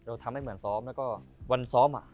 ทำให้เหมือนซ้อมแล้วก็วันซ้อม